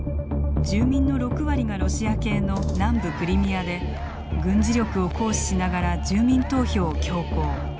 住民の６割がロシア系の南部クリミアで軍事力を行使しながら住民投票を強行。